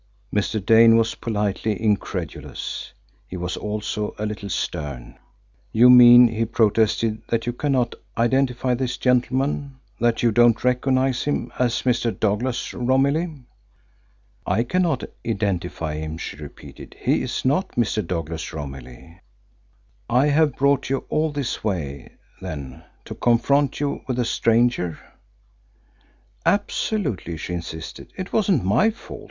Mr. Dane was politely incredulous. He was also a little stern. "You mean," he protested, "that you cannot identify this gentleman that you don't recognise him as Mr. Douglas Romilly?" "I cannot identify him," she repeated. "He is not Mr. Douglas Romilly." "I have brought you all this way, then, to confront you with a stranger?" "Absolutely," she insisted. "It wasn't my fault.